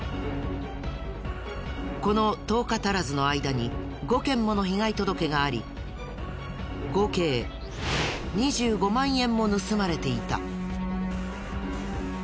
この１０日足らずの間に５件もの被害届があり合計２５万円も盗まれていた。